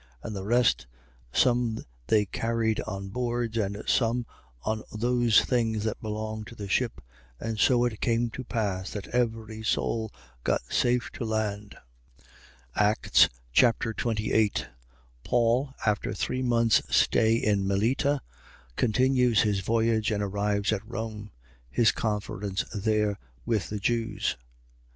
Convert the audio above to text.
And the rest, some they carried on boards and some on those things that belonged to the ship. And so it came to pass that every soul got safe to land. Acts Chapter 28 Paul, after three months' stay in Melita, continues his voyage and arrives at Rome. His conference there with the Jews. 28:1.